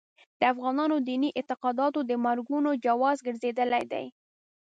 د افغانانو دیني اعتقادات د مرګونو جواز ګرځېدلي دي.